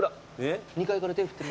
２階から手振ってる。